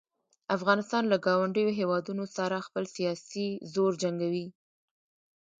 افغانستان له ګاونډیو هیوادونو سره خپل سیاسي زور جنګوي.